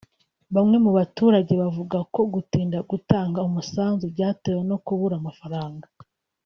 Bamwe mu baturage bavuga ko gutinda gutanga umusanzu byatewe no kubura amafaranga